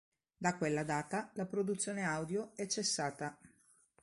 Da quella data la produzione audio è cessata.